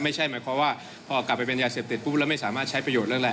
ไม่ใช่หมายความว่าพอกลับไปเป็นยาเสพติดปุ๊บแล้วไม่สามารถใช้ประโยชนเรื่องอะไร